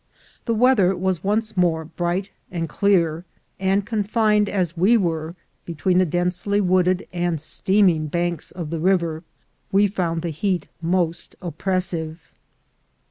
The weather was once more bright and clear, and confined as we were between the densely wooded and steaming banks of the river, we found the heat most oppressive.